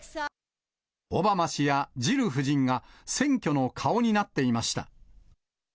オバマ氏やジル夫人が、選挙の顔になっていました。